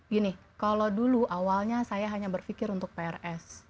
gini kalau dulu awalnya saya hanya berpikir untuk prs